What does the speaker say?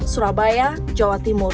surabaya jawa timur